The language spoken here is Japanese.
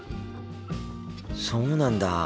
そうなんだ。